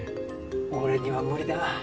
俺には無理だ